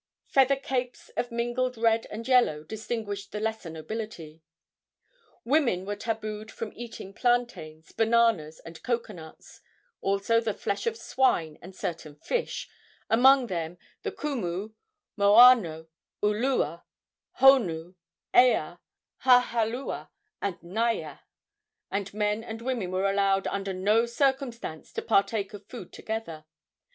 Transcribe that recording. Feather capes of mingled red and yellow distinguished the lesser nobility. Women were tabued from eating plantains, bananas, and cocoanuts; also the flesh of swine and certain fish, among them the kumu, moano, ulua, honu, ea, hahalua and naia; and men and women were allowed under no circumstances to partake of food together.